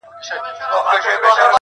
دې دوستی ته خو هیڅ لاره نه جوړیږي!